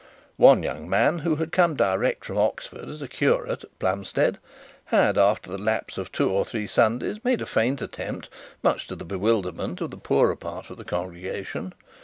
One young man who had come direct from Oxford as a curate at Plumstead had, after the lapse of two or three Sundays, made a faint attempt, much to the bewilderment of the poorer part of the congregation.